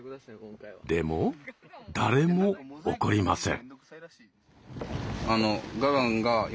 でも誰も怒りません。